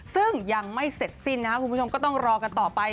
ซึ่งยังไม่เสร็จสิ้นนะครับคุณผู้ชมก็ต้องรอกันต่อไป